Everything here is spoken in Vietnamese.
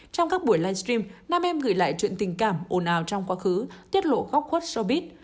trong các buổi livestream nam em gửi lại chuyện tình cảm ồn ào trong quá khứ tiết lộ góc khuất sô bít